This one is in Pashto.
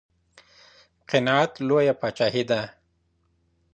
قناعت لويه پاچاهي ده.